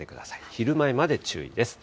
昼前まで注意です。